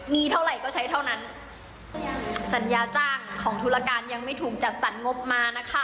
มีเท่าไหร่ก็ใช้เท่านั้นสัญญาจ้างของธุรการยังไม่ถูกจัดสรรงบมานะคะ